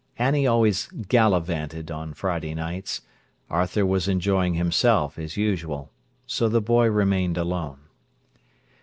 Annie always "gallivanted" on Friday nights; Arthur was enjoying himself as usual. So the boy remained alone.